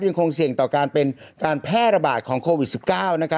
ยังคงเสี่ยงต่อการเป็นการแพร่ระบาดของโควิด๑๙